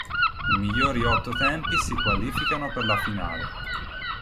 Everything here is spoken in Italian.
I migliori otto tempi si qualificano per la finale.